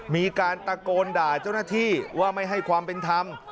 มีการตะโกนด่าเจ้าหน้าที่ว่าไม่ให้ความเป็นธรรม